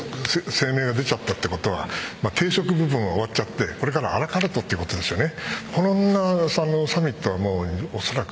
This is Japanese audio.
前半に声明が出たということは定食部分は終わってしまってこれからアラカルトということですよね。